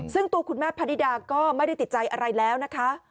ซึ่งตัวคุณแม่พะนิดาก็ไม่ได้ติดใจอะไรแล้วนะคะ